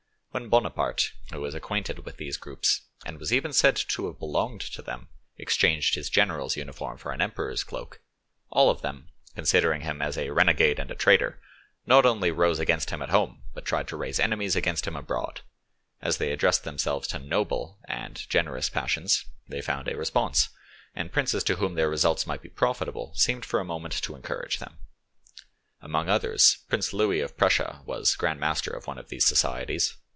When Bonaparte, who was acquainted with these groups, and was even said to have belonged to them, exchanged his general's uniform for an emperor's cloak, all of them, considering him as a renegade and traitor, not only rose against him at home, but tried to raise enemies against him abroad; as they addressed themselves to noble and generous passions, they found a response, and princes to whom their results might be profitable seemed for a moment to encourage them. Among others, Prince Louis of Prussia was grandmaster of one of these societies.